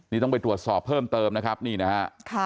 นี่ต้องไปตรวจสอบเพิ่มเติมนะครับนี่นะฮะ